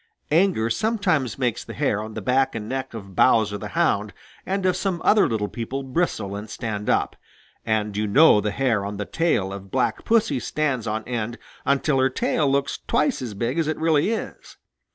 Anger sometimes makes the hair on the back and neck of Bowser the Hound and of some other little people bristle and stand up, and you know the hair on the tail of Black Pussy stands on end until her tail looks twice as big as it really is.